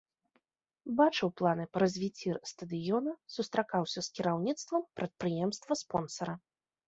Бачыў планы па развіцці стадыёна, сустракаўся з кіраўніцтвам прадпрыемства-спонсара.